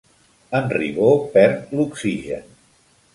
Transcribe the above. En Ribó perd l'oxigen.